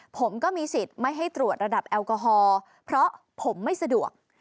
ผมก็มีสิทธิ์ไม่ให้ตรวจระดับแอลกอฮอล์เพราะผมไม่สะดวก